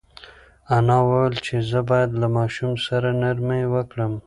انا وویل چې زه باید له ماشوم سره نرمي وکړم.